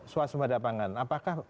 suat sembeda pangan apakah